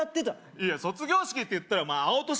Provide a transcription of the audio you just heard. いや卒業式っていったら「あおとし」